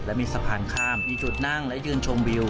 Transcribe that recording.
และมีสะพานข้ามมีจุดนั่งและยืนชมวิว